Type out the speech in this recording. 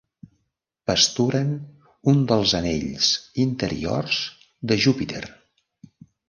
Pasturen un dels anells interiors de Júpiter.